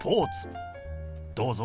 どうぞ。